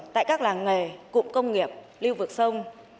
tại các làng nghề cụm công nghiệp lưu vực sông